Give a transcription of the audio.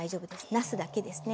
なすだけですね。